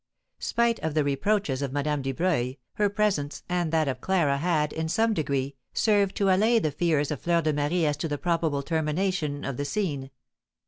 Spite of the reproaches of Madame Dubreuil, her presence, and that of Clara, had, in some degree, served to allay the fears of Fleur de Marie as to the probable termination of the scene.